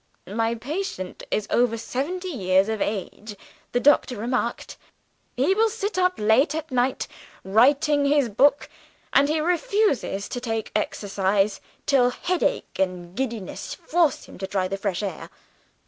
"My patient is over seventy years of age," the doctor remarked. "He will sit up late at night, writing his book; and he refuses to take exercise, till headache and giddiness force him to try the fresh air.